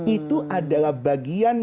itu adalah bagian